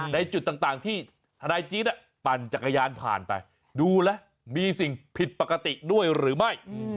ในจุดต่างที่ทนายจี๊ดปั่นจักรยานผ่านไปดูแล้วมีสิ่งผิดปกติด้วยหรือไม่